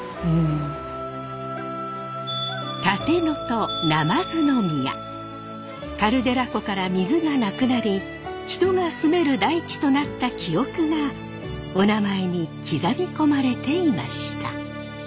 やっぱり何かこうそれとカルデラ湖から水がなくなり人が住める大地となった記憶がおなまえに刻み込まれていました。